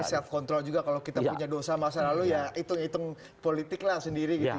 self control juga kalau kita punya dosa masa lalu ya hitung hitung politik lah sendiri gitu